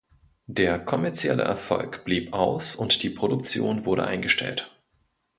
Der kommerzielle Erfolg blieb aus und die Produktion wurde eingestellt.